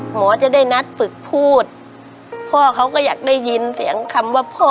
หมอจะได้นัดฝึกพูดพ่อเขาก็อยากได้ยินเสียงคำว่าพ่อ